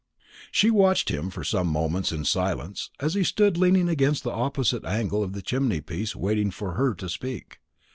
She watched him for some moments in silence, as he stood leaning against the opposite angle of the chimney piece waiting for her to speak.